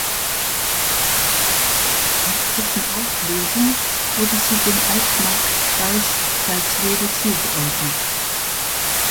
Nach dessen Auflösung wurde sie dem Altmarkkreis Salzwedel zugeordnet.